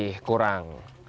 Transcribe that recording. ini masih lagi kurang